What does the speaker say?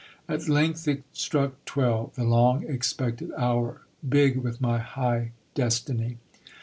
At length it struck twelve, the long expected hour, big with my high destiny.